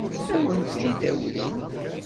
Ad wen-ten-id-awin?